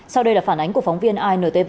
sau đây là phản ánh của phóng viên intv